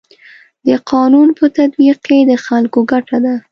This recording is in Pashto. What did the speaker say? د قانون په تطبیق کي د خلکو ګټه ده.